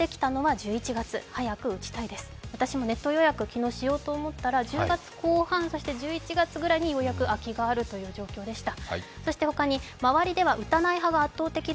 私もネット予約、昨日しようと思ったら１０月後半、１１月前半にようやく空きがあるという状況でした。